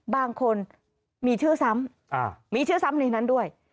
บางคนมีชื่อซ้ำมีชื่อซ้ำในนั้นด้วย